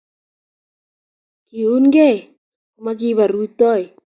kiunigei komakipa rutoi